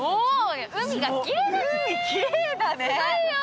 海がきれいだね。